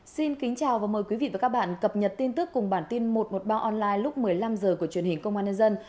xin kính chào và mời quý vị và các bạn cập nhật tin tức cùng bản tin một trăm một mươi ba online lúc một mươi năm h của truyền hình công an nhân dân